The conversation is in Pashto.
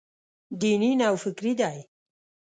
دیني نوفکري دی.